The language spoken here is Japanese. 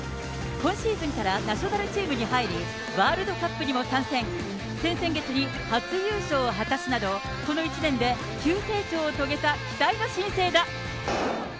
今シーズンからナショナルチームに入り、ワールドカップにも参戦、先々月に初優勝を果たすなど、この１年で急成長を遂げた期待の新星だ。